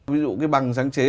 ví dụ cái bằng sáng chế